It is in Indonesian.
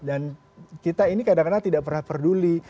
kita ini kadang kadang tidak pernah peduli